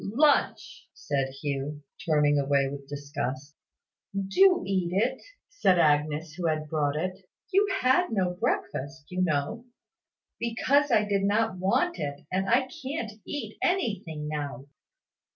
"Lunch!" said Hugh, turning away with disgust. "Do eat it," said Agnes, who had brought it. "You had no breakfast, you know." "Because I did not want it; and I can't eat anything now."